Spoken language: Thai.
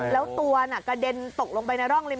แล้วตัวกระเด็นตกลงไปในร่องริม